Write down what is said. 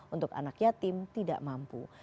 untuk anak yatim tidak mampu